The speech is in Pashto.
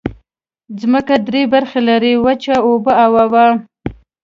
ځمکه درې برخې لري: وچې، اوبه او هوا.